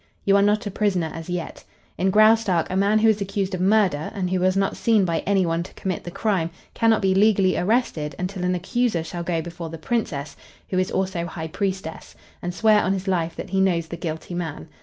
You are not a prisoner as yet. In Graustark a man who is accused of murder, and who was not seen by any one to commit the crime, cannot be legally arrested until an accuser shall go before the Princess, who is also High Priestess, and swear on his life that he knows the guilty man.